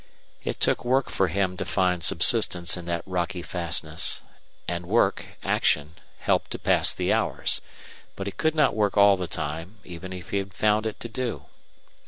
It took work for him to find subsistence in that rocky fastness. And work, action, helped to pass the hours. But he could not work all the time, even if he had found it to do.